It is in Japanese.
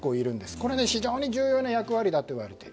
これ非常に重要な役割だといわれている。